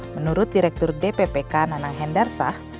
menurut direktur dppk nanang hendarsah